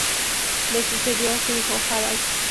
Le sucedió su hijo Harald.